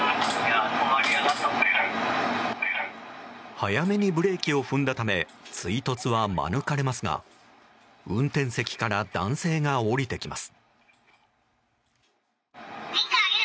早めにブレーキを踏んだため追突は免れますが運転席から男性が降りてきます。